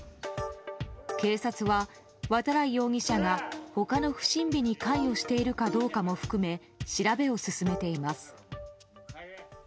警察は、渡来容疑者が他の不審火に関与しているかどうかも含め調べを進めています。